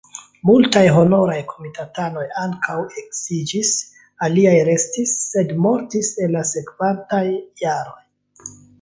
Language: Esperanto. Multaj honoraj komitatanoj ankaŭ eksiĝis, aliaj restis, sed mortis en la sekvantaj jaroj.